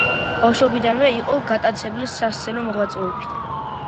ბავშვობიდანვე იყო გატაცებული სასცენო მოღვაწეობით.